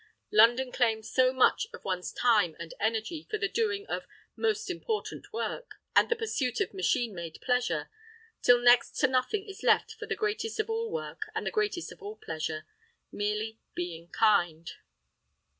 London claims so much of one's time and energy for the doing of "most important" work, and the pursuit of machine made pleasure, till next to nothing is left for the greatest of all work and the greatest of all pleasure—merely being kind.